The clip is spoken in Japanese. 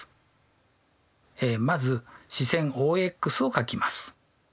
まず始線ＯＸを書きます。